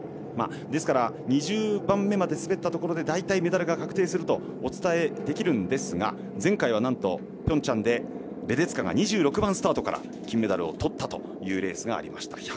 ですから、２０番目まで滑ったところで大体、メダルが確定するとお伝えできるんですが前回はピョンチャンでレデツカが２６番スタートから金メダルをとったというレースがありました。